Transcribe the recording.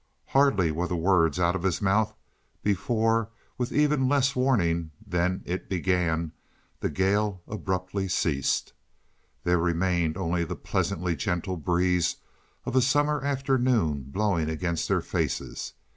Hardly were the words out of his mouth before, with even less warning than it began, the gale abruptly ceased. There remained only the pleasantly gentle breeze of a summer afternoon blowing against their faces.